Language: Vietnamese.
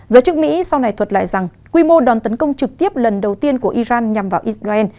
giới chức mỹ sau này thuật lại rằng quy mô đòn tấn công trực tiếp lần đầu tiên của iran nhằm vào israel